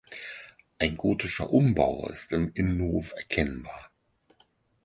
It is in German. Ein gotischer Umbau ist im Innenhof erkennbar.